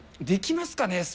できますかね？